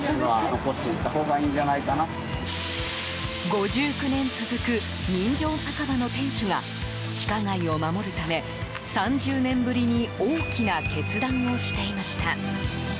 ５９年続く人情酒場の店主が地下街を守るため３０年ぶりに大きな決断をしていました。